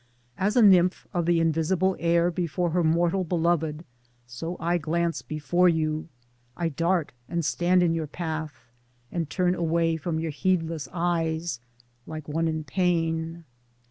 As a nymph of the invisible air before her mortal be loved, so I glance before you — I dart and stand in your path — and turn away from your heedless eyes like one in pain.